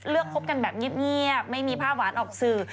เลือกคบกันแบบเงี๊บเงี๊บไม่มีภาพหวานออกสื่อ